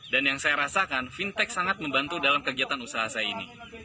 dan yang saya rasakan fintech sangat membantu dalam kegiatan usaha saya ini